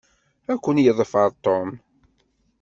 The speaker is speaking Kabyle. Ad ken-yeḍfer Tom.